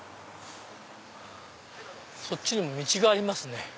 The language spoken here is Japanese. そっちにも道がありますね。